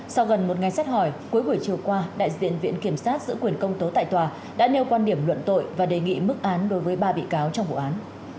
sau gần một ngày xét hỏi cuối buổi chiều qua đại diện viện kiểm sát giữ quyền công tố tại tòa đã nêu quan điểm luận tội và đề nghị mức án đối với ba bị cáo trong vụ án